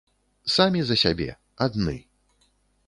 Самі за сябе, адны.